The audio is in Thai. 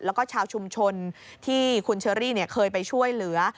แล้วก็ชาวชุมชนที่คุณเชอรี่เคยไปช่วยเหลือ